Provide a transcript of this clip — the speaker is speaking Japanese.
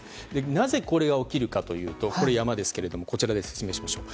なぜこれが起きるかというとこれ山ですけれどもこちらで説明しましょう。